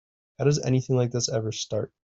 How does anything like this ever start?